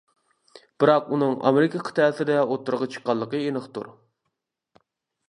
بىراق ئۇنىڭ ئامېرىكا قىتئەسىدە ئوتتۇرىغا چىققانلىقى ئېنىقتۇر.